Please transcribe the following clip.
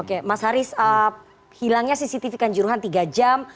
oke mas haris hilangnya cctv kan juruhan tiga jam